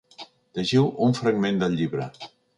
Llegiu un fragment del llibre.